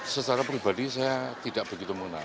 secara pribadi saya tidak begitu mengenal